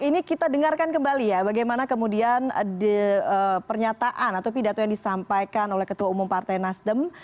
ini kita dengarkan kembali ya bagaimana kemudian pernyataan atau pidato yang disampaikan oleh ketua umum partai nasdem